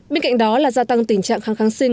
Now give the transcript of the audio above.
bên cạnh đó là gia tăng tình trạng kháng kháng sinh